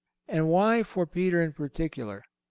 And why for Peter in particular?